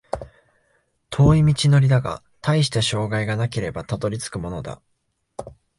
遠い道のりだが、たいした障害がなければたどり着くものだ